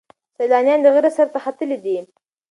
سیلانیان د غره سر ته ختلي دي.